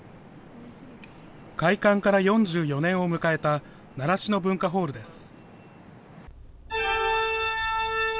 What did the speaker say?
開館から４４年を迎えた習志野文化ホールです。